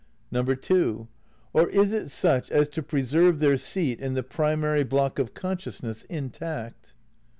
(2) Or is it such as to preserve their seat in the pri mary block of consciousness intact?